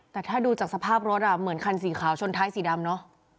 แต่ถ้าดูจากสภาพรถเหมือนคันสีขาวชนท้ายสีดำเนอะ